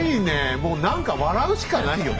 もう何か笑うしかないよね